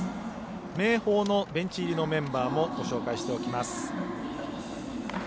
明豊のベンチ入りのメンバーもご紹介しておきます。